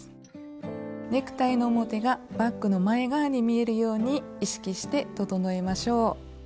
ネクタイの表がバッグの前側に見えるように意識して整えましょう。